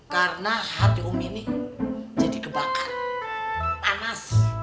karena hati umi ini jadi kebakar panas